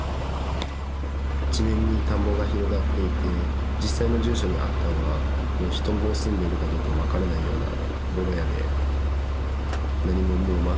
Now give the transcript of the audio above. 一面に田んぼが広がっていて、実際の住所にあったのは、人も住んでいるかどうかも分からないようなぼろ屋で。